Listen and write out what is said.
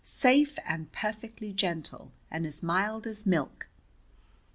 "Safe and perfectly gentle, and as mild as milk.